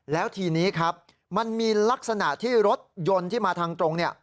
แล้วทีนี้ครับมันมีลักษณะที่รถยนต์ที่มาทางตรง